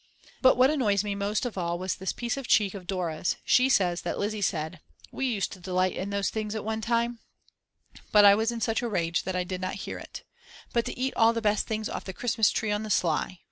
But what annoys me most of all was this piece of cheek of Dora's; she says that Lizzi said: "We used to delight in those things at one time," but I was in such a rage that I did not hear it. But to eat all the best things off the Christmas tree on the sly!!!